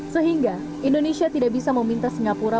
sehingga indonesia tidak bisa meminta singapura